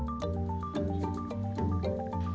pertanyaan dari sementara jika merujuk pertama